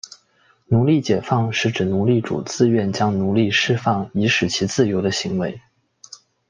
奴隶解放是指奴隶主自愿将奴隶释放以使其自由的行为。